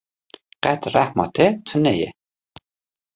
Qet rehma te tune ye.